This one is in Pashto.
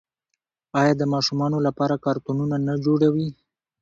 آیا د ماشومانو لپاره کارتونونه نه جوړوي؟